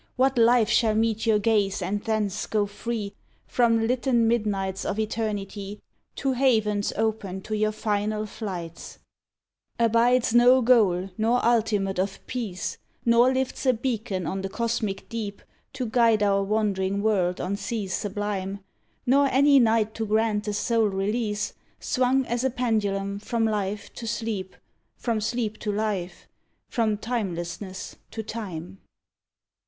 What life shall meet your gaze and thence go free From litten midnights of eternity To havens open to your final flights^ Abides nor goal nor ultimate of peace, Nor lifts a beacon on the cosmic deep To guide our wandering world on seas sublime, Nor any night to grant the soul release, Swung as a pendulum from life to sleep. From sleep to life, from Timelessness to Time.